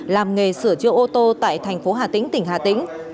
làm nghề sửa chữa ô tô tại thành phố hà tĩnh tỉnh hà tĩnh